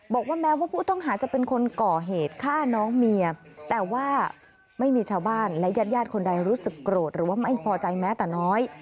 บอกว่าแม้ว่าผู้ต้องหาจะเป็นคนก่อเหตุฆ่าน้องเมียแต่ว่าไม่มีชาวบ้านและญาติญาติคนใดรู้สึกโกรธหรือว่าไม่พอใจแม้แต่น้อย